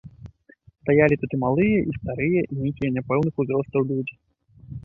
Стаялі тут і малыя, і старыя, і нейкіх няпэўных узростаў людзі.